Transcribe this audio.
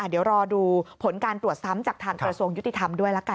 เดี๋ยวรอดูผลการตรวจซ้ำจากทางกระทรวงยุติธรรมด้วยละกัน